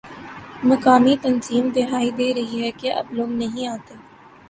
مقامی تنظیم دہائی دے رہی ہے کہ اب لوگ نہیں آتے